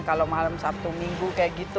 kalau malam sabtu minggu kayak gitu